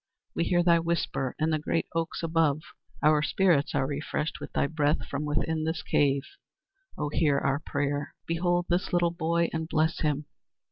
We hear thy whisper in the great oaks above! Our spirits are refreshed with thy breath from within this cave. O, hear our prayer! Behold this little boy and bless him!